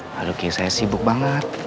lalu kira saya sibuk banget